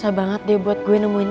tapi kalau gue gak liat kondisinya